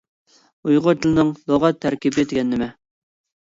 ئۇيغۇر تىلىنىڭ لۇغەت تەركىبى دېگەن نېمە؟